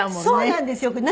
そうなんですよ。